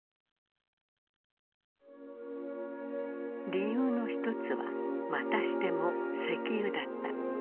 理由の一つはまたしても石油だった。